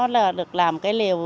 là được làm cái liều